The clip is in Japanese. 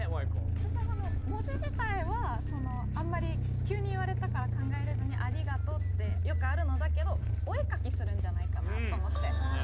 私はその文字自体はあんまり急に言われたから考えられずに「ありがとう」ってよくあるのだけどお絵描きするんじゃないかなと思って周りに。